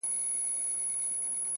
• ورځ به تېره په مزلونو چي به شپه سوه,